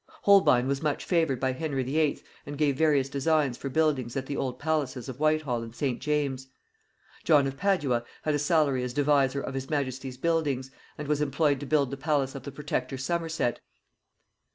Holbein was much favoured by Henry VIII., and gave various designs for buildings at the old palaces of Whitehall and St. James. John of Padua had a salary as deviser of his majesty's buildings, and was employed to build the palace of the protector Somerset.